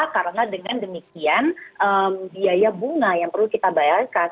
karena dengan demikian biaya bunga yang perlu kita bayarkan